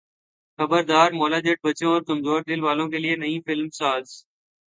خبردار مولا جٹ بچوں اور کمزور دل والوں کے لیے نہیں فلم ساز